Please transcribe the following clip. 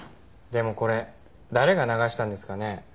でもこれ誰が流したんですかね？